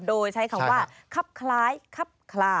โดยใช้คำว่าคับคล้ายคับคลา